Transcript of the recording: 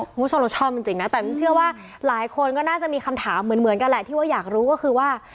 คุณผู้ชมเราชอบจริงนะแต่มินเชื่อว่าหลายคนก็น่าจะมีคำถามเหมือนกันแหละที่ว่าอยากรู้ก็คือว่า